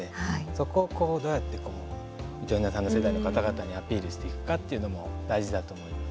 そこをどうやってみとゆなさんの世代の方々にアピールしていくかっていうのも大事だと思います。